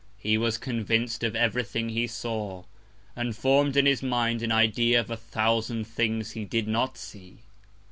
He was convinc'd of every Thing he saw, and form'd in his Mind an Idea of a thousand Things he did not see.